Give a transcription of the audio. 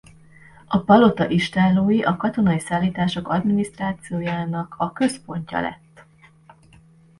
A palota istállói a katonai szállítások adminisztrációjának a központja lett.